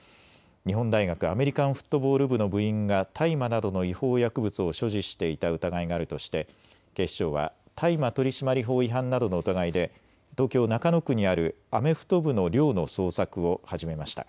日本大学アメリカンフットボール部の部員が大麻などの違法薬物を所持していた疑いがあるとして警視庁は大麻取締法違反などの疑いで東京中野区にあるアメフト部の寮の捜索を始めました。